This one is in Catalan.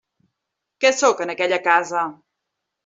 Què sóc en aquella casa?